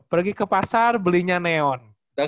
pergi ke pasar belinya neon